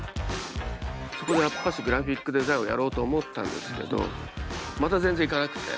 そこでやっぱしグラフィックデザインをやろうと思ったんですけどまた全然行かなくて。